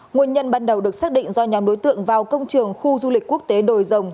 nguyên nhân ban đầu được xác định do nhóm đối tượng vào công trường khu du lịch quốc tế đồi rồng